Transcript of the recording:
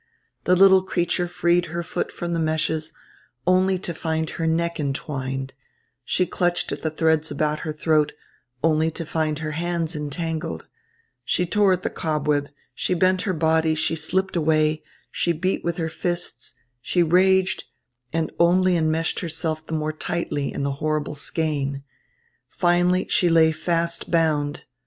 The little creature freed her foot from the meshes, only to find her neck entwined; she clutched at the threads about her throat, only to find her hands entangled; she tore at the cobweb, she bent her body, she slipped away; she beat with her fists, she raged, and only enmeshed herself the more tightly in the horrible skein; finally she lay fast bound.